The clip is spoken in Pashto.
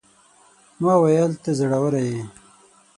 ما وويل: ته زړوره يې.